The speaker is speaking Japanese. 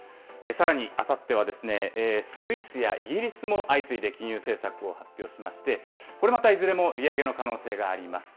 さらにあさってはスイスやイギリスも相次いで金融政策を発表しまして、これまたいずれも利上げの可能性があります。